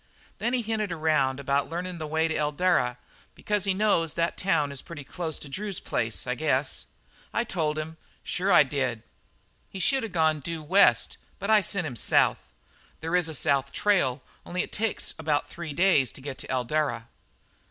Then he hinted around about learnin' the way to Eldara, because he knows that town is pretty close to Drew's place, I guess. I told him; sure I did. He should of gone due west, but I sent him south. There is a south trail, only it takes about three days to get to Eldara."